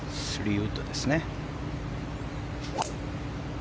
３ウッドですね。